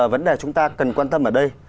vấn đề chúng ta cần quan tâm ở đây